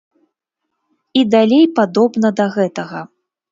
І далей падобна да гэтага.